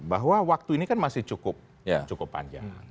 bahwa waktu ini kan masih cukup panjang